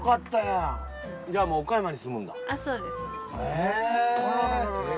へえ！